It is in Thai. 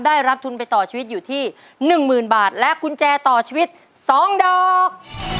ได้รับทุนไปต่อชีวิตอยู่ที่๑๐๐๐บาทและกุญแจต่อชีวิต๒ดอก